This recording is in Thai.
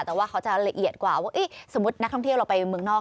แต่ว่าเขาจะละเอียดกว่าว่าสมมุตินักท่องเที่ยวเราไปเมืองนอก